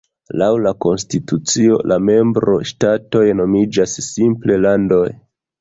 Laŭ la konstitucio la membro-ŝtatoj nomiĝas simple "landoj".